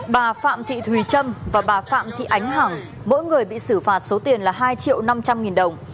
bà phạm thị thùy trâm và bà phạm thị ánh hẳn mỗi người bị xử phạt số tiền là hai triệu năm trăm linh nghìn đồng